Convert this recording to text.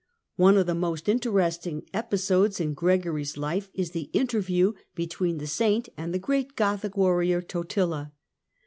One of the most interesting episodes in Gregory's life is the interview between the Meeting of saint and the great Gothic warrior Totila.